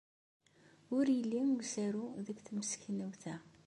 Ur yelli usaru deg temseknewt-a.